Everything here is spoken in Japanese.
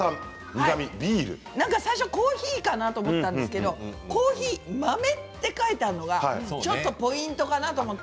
最初コーヒーかと思ったけど豆と書いてあったのがちょっとポイントかなと思って。